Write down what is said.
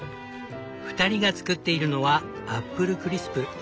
２人が作っているのはアップルクリスプ。